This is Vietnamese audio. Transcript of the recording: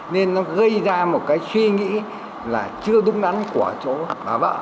nên nó gây ra một cái suy nghĩ là chưa đúng đắn của chỗ bà vợ